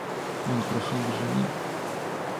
Он прошел к жене.